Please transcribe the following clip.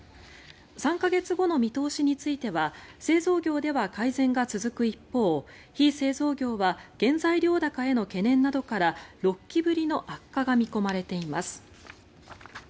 ３か月後の見通しについては製造業では改善が続く一方非製造業は原材料高への懸念などから６期ぶりの悪化が見込まれています。